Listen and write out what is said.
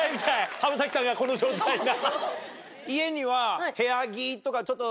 浜崎さんがこの状態な。